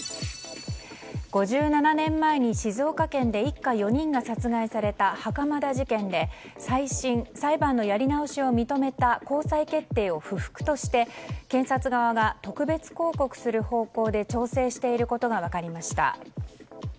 ５７年前に静岡県で一家４人が殺害された袴田事件で再審、裁判のやり直しを認めた高裁決定を不服として検察側が特別抗告する方向で調整していることが分かりました。